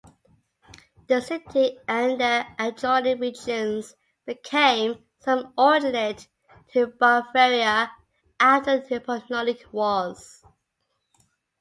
The city and the adjoining regions became subordinate to Bavaria after the Napoleonic Wars.